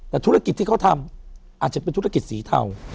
แต่ธุรกิจที่เขาทำอาจจะเป็นธุรกิจสีเทา